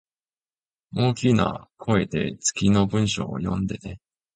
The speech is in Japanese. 大きな声で次の文章を読んでね